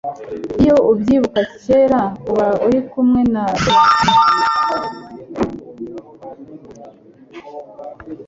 iyo ubyibuka cyera uba uri kumwe na se wa munyana